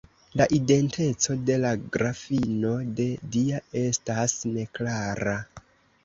La identeco de la Grafino de Dia estas neklara.